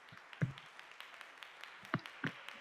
Yaxshi hammalaring sog’- salomat ekansilar.